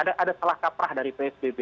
ada salah kaprah dari psbb